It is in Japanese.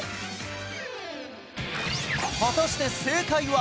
果たして正解は！？